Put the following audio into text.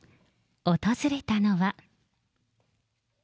訪れたのは。